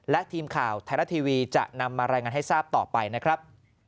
และทีมข่าวไทยรัฐทีวีจะนำมารายงานให้ทราบต่อไปนะครับ